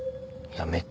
やめて！